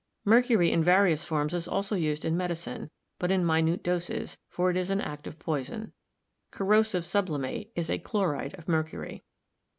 Mercury in various forms is also used in medicine, but in minute doses, for it is an active poison. Corrosive subli mate is a chloride of mercury.